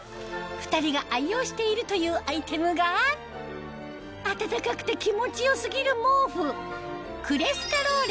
２人が愛用しているというアイテムが暖かくて気持ち良すぎる毛布